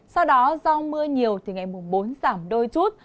nếu mưa nhiều thì ngày mùng bốn giảm đôi chút